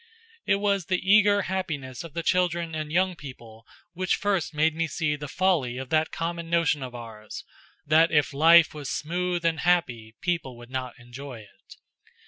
It was the eager happiness of the children and young people which first made me see the folly of that common notion of ours that if life was smooth and happy, people would not enjoy it.